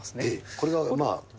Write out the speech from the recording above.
これはまあ。